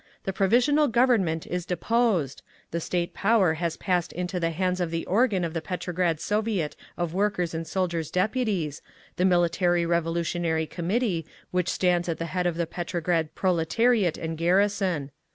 The Provisional Government is deposed. The State Power has passed into the hands of the organ of the Petrograd Soviet of Workers' and Soldiers' Deputies, the Military Revolutionary Committee, which stands at the head of the Petrograd proletariat and garrison.